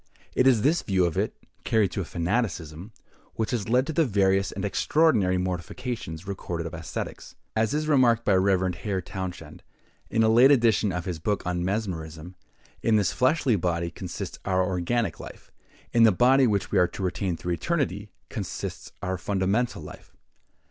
It is this view of it, carried to a fanaticism, which has led to the various and extraordinary mortifications recorded of ascetics. As is remarked by the Rev. Hare Townshend, in a late edition of his book on mesmerism, in this fleshly body consists our organic life; in the body which we are to retain through eternity, consists our fundamental life.